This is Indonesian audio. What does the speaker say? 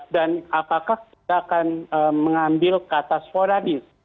dan apakah kita akan mengambil kata sporadis